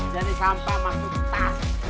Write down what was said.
dari sampah masuk tas